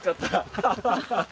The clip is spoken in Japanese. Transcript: アハハハ。